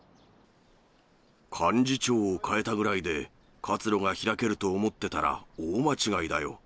幹事長を代えたぐらいで活路が開けると思ってたら大間違いだよ。